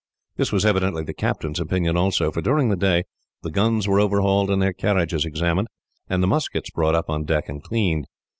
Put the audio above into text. This was evidently the captain's opinion also, for during the day the guns were overhauled, and their carriages examined, and the muskets brought up on deck and cleaned.